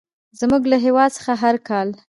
زموږ له هېواد څخه هر کال.